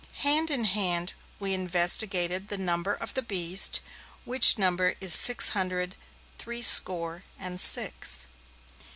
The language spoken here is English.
Hand in hand we investigated the number of the Beast, which number is six hundred three score and six.